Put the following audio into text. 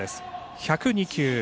１０２球。